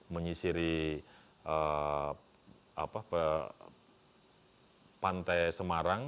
menyisiri pantai semarang